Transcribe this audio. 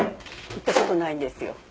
行ったことないんですよ。